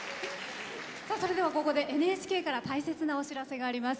それでは、ここでＮＨＫから大切なお知らせがあります。